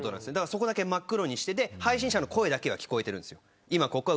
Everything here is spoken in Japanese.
そこだけ真っ黒にして配信者の声だけが聞こえるんです。